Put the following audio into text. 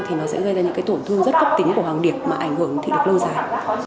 thì nó sẽ gây ra những cái tổn thương rất cấp tính của hoàng điệp mà ảnh hưởng thị lực lâu dài